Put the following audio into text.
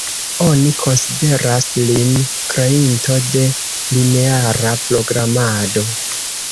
Oni konsideras lin kreinto de lineara programado.